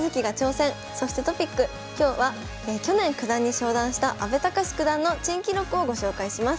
今日は去年九段に昇段した阿部隆九段の珍記録をご紹介します。